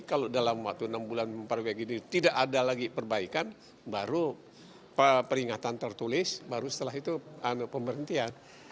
kalau dalam waktu enam bulan memperbaiki diri tidak ada lagi perbaikan baru peringatan tertulis baru setelah itu pemberhentian